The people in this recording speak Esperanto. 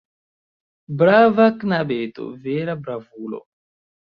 Brava knabeto, vera bravulo!